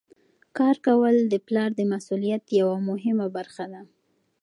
کار کول د پلار د مسؤلیت یوه مهمه برخه ده.